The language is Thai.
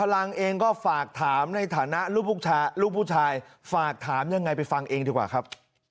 ลูกผู้ชายฝากถามยังไงไปฟังเองดีกว่าครับ